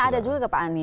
ada juga ke pak anies